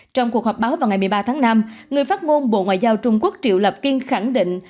trong cuộc họp báo vào ngày một mươi ba tháng năm người phát ngôn bộ ngoại giao trung quốc triệu lập kiên khẳng định